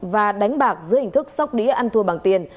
và đánh bạc dưới hình thức sóc đĩa ăn thua bằng tiền